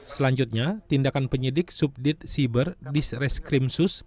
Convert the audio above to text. selanjutnya tindakan penyidik subdit siber disreskrimsus polda metro jaya